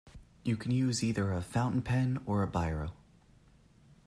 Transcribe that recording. You can use either a fountain pen or a biro